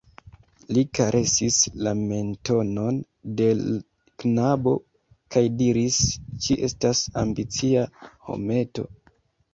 Li karesis la mentonon de l' knabo kaj diris: "Ci estas ambicia, hometo!"